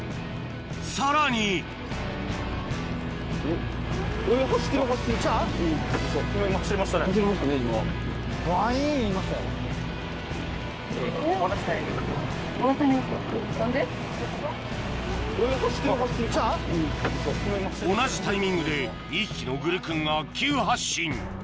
さらに同じタイミングで２匹のグルクンが急発進